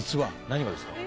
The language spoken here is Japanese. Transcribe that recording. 何がですか？